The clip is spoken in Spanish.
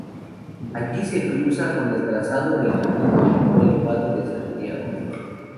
Allí se cruza con el trazado del Camino Olvidado de Santiago.